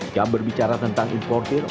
jika berbicara tentang impor tir